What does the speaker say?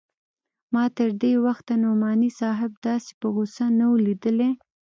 ما تر دې وخته نعماني صاحب داسې په غوسه نه و ليدلى.